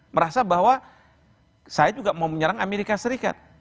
merasa bahwa saya juga mau menyerang amerika serikat